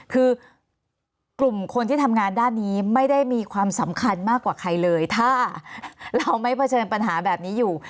คือกลุ่มคนที่ทำงานด้านนี้ไม่ได้มีความสำคัญมากกว่าใครเลยถ้าเราไม่เผชิญปัญหาแบบนี้อยู่